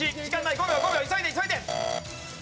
５秒５秒急いで急いで。